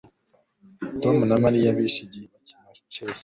Tom na Mariya bishe igihe bakina chess